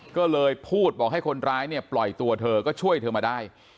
ก็เลยพูดบอกให้คนร้ายเนี่ยปล่อยตัวเธอก็ช่วยเธอมาได้